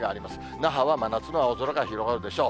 那覇は真夏の青空が広がるでしょう。